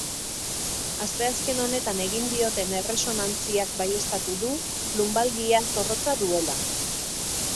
Asteazken honetan egin dioten erresonantziak baieztatu du, lunbalgia zorrotza duela.